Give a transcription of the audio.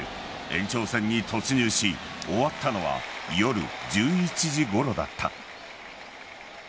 延長戦に突入し、終わったのは夜１１時ごろだった。